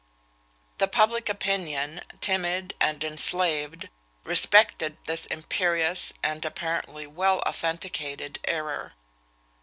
The public opinion, timid and enslaved, respected this imperious and, apparently, well authenticated error.